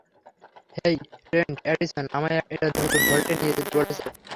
হেই, Trent, Addison আমায় এটা দ্রুত ভল্টে নিয়ে যেতে বলেছে।